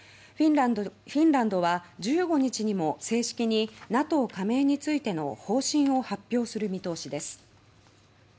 フィンランドは１５日にも正式にＮＡＴＯ加盟についての方針を発表する見通しです。